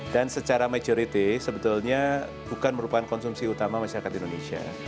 dan secara majority sebetulnya bukan merupakan konsumsi utama masyarakat indonesia